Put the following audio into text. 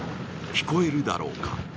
聞こえるだろうか？